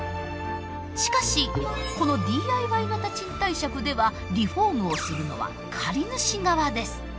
しかしこのＤＩＹ型賃貸借ではリフォームをするのは借り主側です。